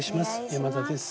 山田です。